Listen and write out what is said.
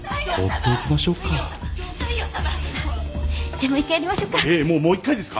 じゃあもう１回やりましょっか。